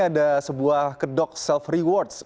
ada sebuah kedok self rewards